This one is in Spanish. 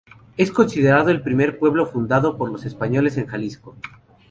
Es considerado el primer pueblo fundado por los españoles en Jalisco.